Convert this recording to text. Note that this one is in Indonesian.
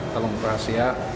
tolong berhasil ya